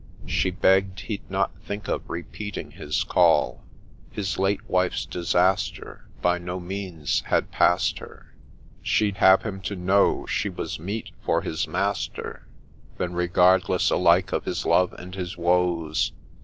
' She begg'd ' he'd not think of repeating his call, His late wife's disaster By no means had past her,' She'd ' have him to know she was meat for his Master I * Then regardless alike of his love and his woes.